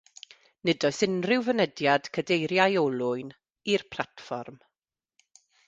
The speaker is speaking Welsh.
Nid oes unrhyw fynediad cadeiriau olwyn i'r platfform.